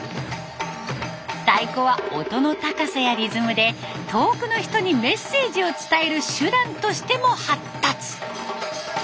太鼓は音の高さやリズムで遠くの人にメッセージを伝える手段としても発達。